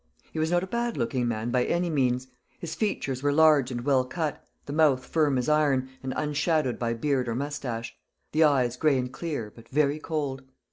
He was not a bad looking man by any means. His features were large and well cut, the mouth firm as iron, and unshadowed by beard or moustache; the eyes gray and clear, but very cold.